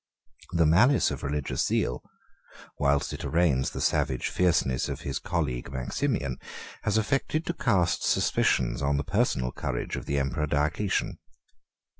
The malice of religious zeal, whilst it arraigns the savage fierceness of his colleague Maximian, has affected to cast suspicions on the personal courage of the emperor Diocletian.